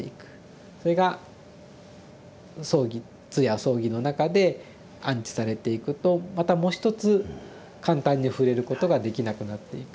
それが葬儀通夜葬儀の中で安置されていくとまたもう一つ簡単に触れることができなくなっていく。